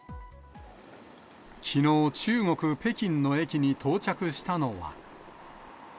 きのう、中国・北京の駅に到着したのは。